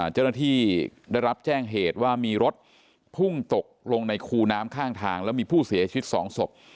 เจ้าหน้าที่ได้รับแจ้งเหตุว่ามีรถพุ่งตกลงในคูน้ำข้างทางแล้วมีผู้เสียชีวิต๒ศพ